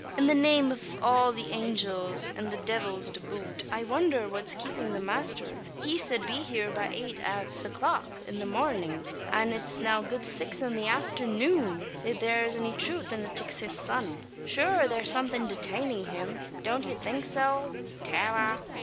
"In the name av all the angels, an the divils to boot, I wondher what's kapin' the masther! He sid he wud be heeur by eight av the clock in the marnin', and it's now good six in the afthernoon, if thare's any truth in a Tixas sun. Shure thare's somethin' detainin' him? Don't yez think so, Tara?"